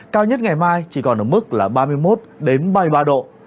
cao nhất ngày mai chỉ còn ở mức là ba mươi một ba mươi ba độ